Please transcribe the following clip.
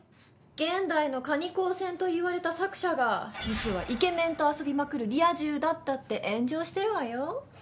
「現代の蟹工船と言われた作者が実はイケメンと遊びまくるリア充だった！？」って炎上してるわよ。